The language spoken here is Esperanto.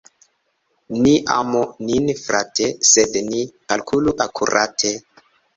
Ni amu nin frate, sed ni kalkulu akurate.